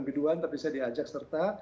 biduan tapi saya diajak serta